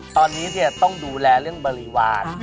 ตอนนี้ต้องดูแลเรื่องบริวาร